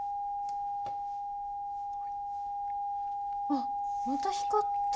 あっまた光って。